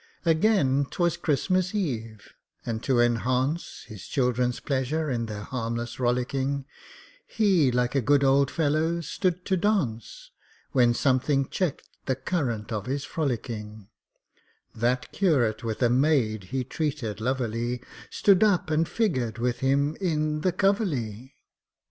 Again, 't was Christmas Eve, and to enhance His children's pleasure in their harmless rollicking, He, like a good old fellow, stood to dance; When something checked the current of his frolicking: That curate, with a maid he treated lover ly, Stood up and figured with him in the "Coverley!"